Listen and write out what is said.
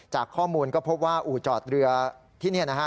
จากข้อมูลก็พบว่าอู่จอดเรือที่นี่นะฮะ